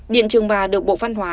điện trường bà được bộ văn hóa